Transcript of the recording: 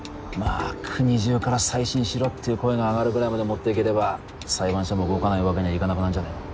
あ国中から再審しろっていう声が上がるくらいまで持っていければ裁判所も動かないわけにはいかなくなんじゃねぇの。